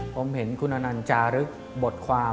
ผมเห็นคุณอนันต์จารึกบทความ